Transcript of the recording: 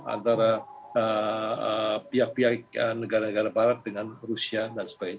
antara pihak pihak negara negara barat dengan rusia dan sebagainya